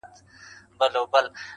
زه راغلی یم چي لار نه کړمه ورکه٫